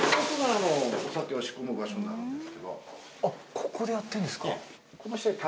ここでやってんですか？